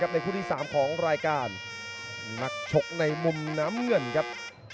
ในคู่ที่๓ของรายการนักชกในมุมน้ำเงินครับ